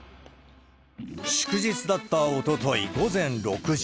祝日だったおととい午前６時。